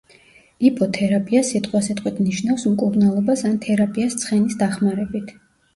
იპოთერაპია სიტყვასიტყვით ნიშნავს მკურნალობას ან თერაპიას ცხენის დახმარებით.